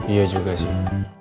iya juga sih